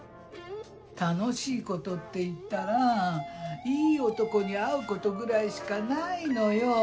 楽しいことっていったらいい男に会うことぐらいしかないのよ。